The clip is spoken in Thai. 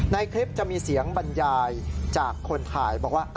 ในคลิปจะมีเสียงบรรยายจากคนถ่ายบอกว่า